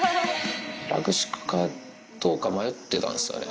ラグ敷くかどうか迷ってたんですよね。